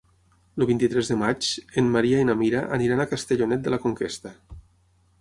El vint-i-tres de maig en Maria i na Mira aniran a Castellonet de la Conquesta.